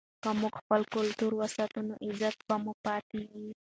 که موږ خپل کلتور وساتو نو عزت به مو پاتې وي.